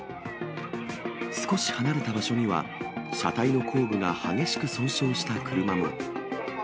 少し離れた場所には、車体の後部が激しく損傷した車も。